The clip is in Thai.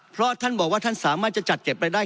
เพราะท่านบอกว่าท่านสามารถจะจัดเก็บรายได้